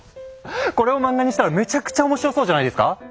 これを漫画にしたらめちゃくちゃ面白そうじゃないですか？